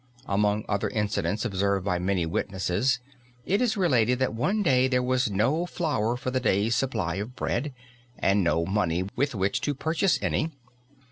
Among other incidents observed by many witnesses it is related that one day there was no flour for the day's supply of bread and no money with which to purchase any.